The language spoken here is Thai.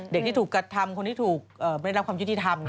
เด็กที่ถูกกระทำคนที่ถูกไม่ได้รับความยุติธรรม